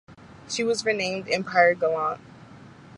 She was renamed "Empire Gallant".